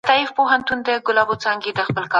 د راتلونکي نسل لپاره، د کیفی روزنې اړتیا سته.